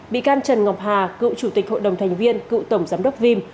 bị can trần ngọc hà cựu chủ tịch hội đồng thành viên cựu tổng giám đốc vim